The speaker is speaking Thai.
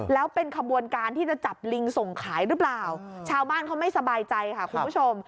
แล้วเป็นขบวนการที่จะจับลิงส่งขายหรือเปล่าชาวบ้านเขาไม่สบายใจค่ะคุณผู้ชม